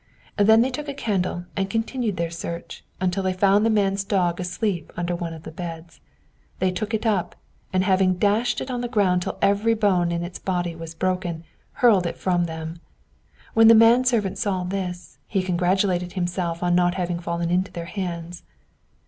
Then they took a candle and continued their search, until they found the man's dog asleep under one of the beds. They took it up, and having dashed it on the ground till every bone in its body was broken, hurled it from them. When the man servant saw this, he congratulated himself on not having fallen into their hands.